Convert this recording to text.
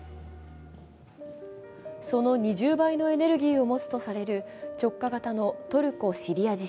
その２０倍のエネルギーを持つとされる直下型のトルコ・シリア地震。